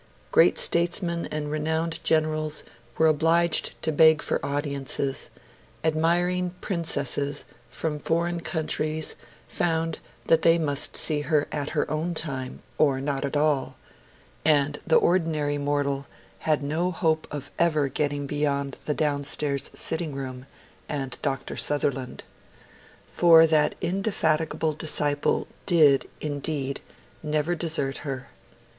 Great statesmen and renowned generals were obliged to beg for audiences; admiring princesses from foreign countries found that they must see her at her own time, or not at all; and the ordinary mortal had no hope of ever getting beyond the downstairs sitting room and Dr. Sutherland. For that indefatigable disciple did, indeed, never desert her.